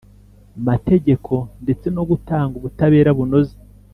Mategeko, ndetse no gutanga ubutabera bunoze